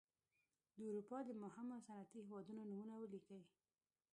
د اروپا د مهمو صنعتي هېوادونو نومونه ولیکئ.